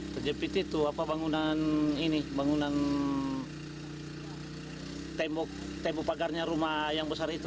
terjepit itu apa bangunan ini bangunan tembok pagarnya rumah yang besar itu